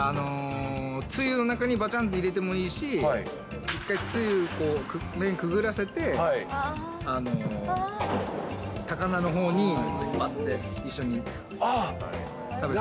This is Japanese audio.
つゆの中にばちゃんって入れてもいいし、一回つゆ、麺くぐらせて、高菜のほうにばって一緒に食べる。